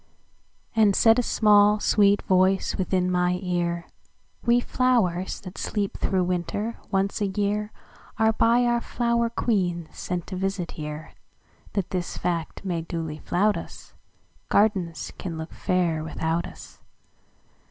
And said a small, sweet voice within my ear:"We flowers, that sleep through winter, once a yearAre by our flower queen sent to visit here, That this fact may duly flout us,—Gardens can look fair without us.